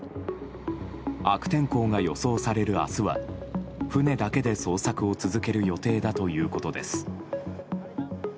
悪天候が予想される明日は船だけで捜索を続ける予定だということです。